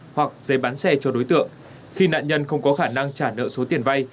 hoặc giấy bán xe cho đối tượng khi nạn nhân không có khả năng trả nợ số tiền vay